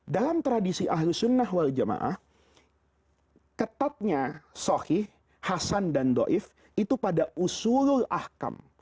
dalam tradisi ahlus sunnah wal jamaah ketatnya sohih hasan dan do'if itu pada usulul ahkam